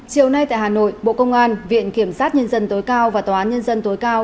chiều nay tại hà nội bộ công an viện kiểm sát nhân dân tối cao và tòa án nhân dân tối cao